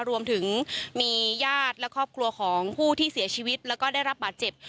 รวมถึงมีญาติและครอบครัวของผู้ที่เสียชีวิตแล้วก็ได้รับบาดเจ็บ